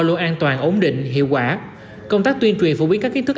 luôn an toàn ổn định hiệu quả công tác tuyên truyền phổ biến các kiến thức